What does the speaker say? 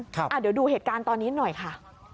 เดี๋ยวดูเหตุการณ์ตอนนี้หน่อยค่ะ